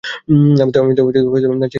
আমি তো নাচিয়ে সাজার ভাণ ধরি না।